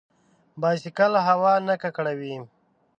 بایسکل هوا نه ککړوي.